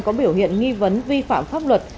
có biểu hiện nghi vấn vi phạm pháp luật